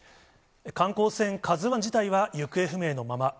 観光船カズワン自体は行方不明のまま。